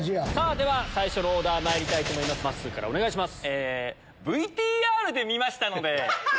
では最初のオーダーまいりますまっすーからお願いします。